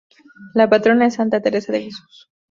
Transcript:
La Patrona es Santa Teresa de Jesús.